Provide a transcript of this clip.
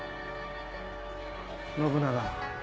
信長。